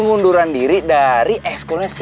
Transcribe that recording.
unduran diri dari ekskulensi enam